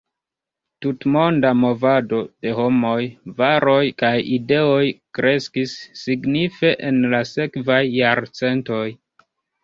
Tutmonda movado de homoj, varoj, kaj ideoj kreskis signife en la sekvaj jarcentoj.